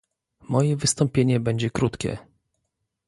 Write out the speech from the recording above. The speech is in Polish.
Moje wystąpienie będzie krótkie